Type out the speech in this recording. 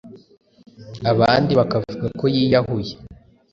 Abandi bakavuga ko yiyahuye.